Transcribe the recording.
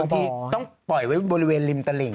ต้องปล่อยไว้บริเวณริมตะหลิง